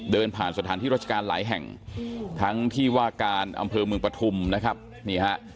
เดินผ่านสถานที่ราชการหลายแห่งทั้งที่ว่าการอำเภอเมืองปฐุมนะครับนี่ฮะ